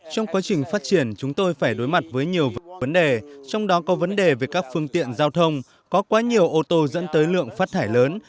trong quá trình phát triển chúng tôi phải đối mặt với nhiều vấn đề trong đó có vấn đề về các phương tiện giao thông có quá nhiều ô tô dẫn tới lượng phát thải lớn